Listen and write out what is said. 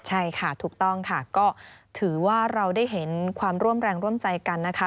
ใช่ค่ะถูกต้องค่ะก็ถือว่าเราได้เห็นความร่วมแรงร่วมใจกันนะคะ